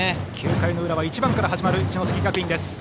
９回の裏は１番から始まる一関学院。